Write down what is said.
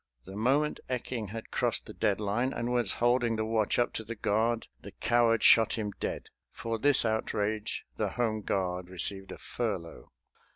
The moment Ecking had crossed the dead line, and was holding the watch up to the guard, the coward shot him dead. For this outrage the home guard received a furlough.